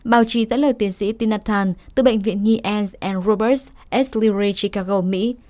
báo chí giãn lời tiến sĩ tina tan từ bệnh viện nhi ans roberts s lurie chicago mỹ